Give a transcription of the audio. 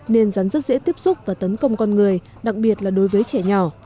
nên rắn rất dễ tiếp xúc và tấn công con người đặc biệt là đối với trẻ nhỏ